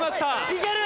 いける！